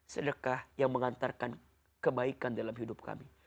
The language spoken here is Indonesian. sedekah yang mengantarkan kebaikan dalam hidup kami